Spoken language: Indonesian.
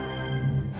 kamilah nggak jahat